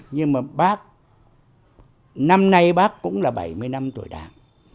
nhưng mà bác năm nay bác cũng là bảy mươi năm tuổi đảng